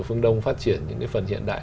phương đông phát triển những cái phần hiện đại